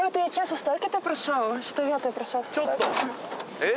えっ？